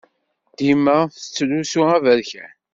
Dima tettlusu aberkan.